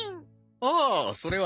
ああそれは。